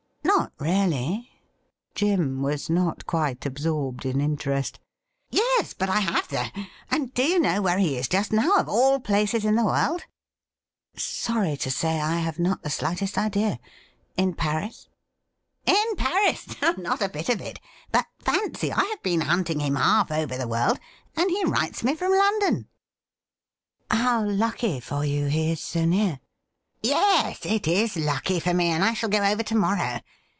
' Not really .?' Jim was not quite absorbed in interest. ' Yes, but I have, though. And do you know where he is just now, of all places in the world ?'' Sorry to say I have not the slightest idea. In Paris ?'' In Paris ? Not a bit of it ! But fancy, I have been hunting him half over the world, and he writes me from London !' 86 THE RIDDLE RING ' How lucky for you he is so near f ' Yes, it is lucky for me, and I shall go over to morrow.